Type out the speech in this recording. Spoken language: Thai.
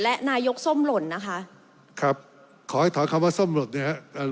และนายกส้มหล่นนะคะครับขอให้ถอยคำว่าส้มหล่นเนี่ยฮะ